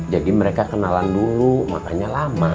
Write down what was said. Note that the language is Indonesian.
jadi mereka kenalan dulu makanya lama